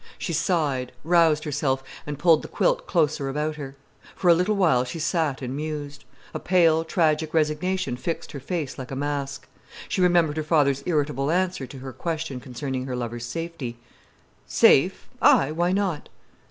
She sighed, roused herself and pulled the quilt closer about her. For a little while she sat and mused. A pale, tragic resignation fixed her face like a mask. She remembered her father's irritable answer to her question concerning her lover's safety—"Safe, aye—why not?"